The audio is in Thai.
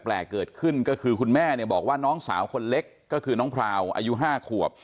เกิดขึ้นก็คือคุณแม่เนี่ยบอกว่าน้องสาวคนเล็กก็คือน้องพราวอายุ๕ขวบ